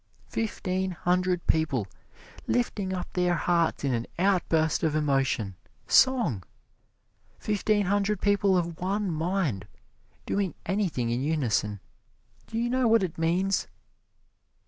Fifteen hundred people lifting up their hearts in an outburst of emotion song! Fifteen hundred people of one mind, doing anything in unison do you know what it means?